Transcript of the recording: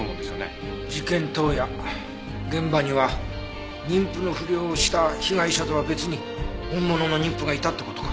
事件当夜現場には妊婦のふりをした被害者とは別に本物の妊婦がいたって事か。